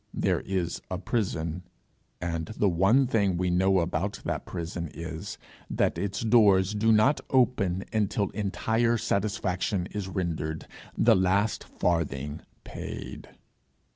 There is a prison, and the one thing we know about that prison is, that its doors do not open until entire satisfaction is rendered, the last farthing paid.